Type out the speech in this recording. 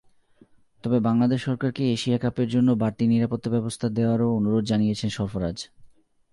তবে বাংলাদেশ সরকারকে এশিয়া কাপের জন্য বাড়তি নিরাপত্তাব্যবস্থা নেওয়ারও অনুরোধ জানিয়েছেন সরফরাজ।